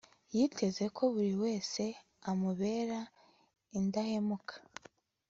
Yiteze ko buri wese amubera indahemuka